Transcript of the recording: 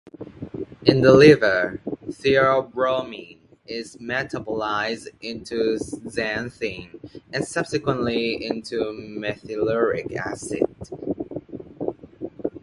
In the liver, theobromine is metabolized into xanthine and subsequently into methyluric acid.